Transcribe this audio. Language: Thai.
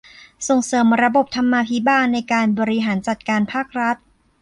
ส่งเสริมระบบธรรมาภิบาลในการบริหารจัดการภาครัฐ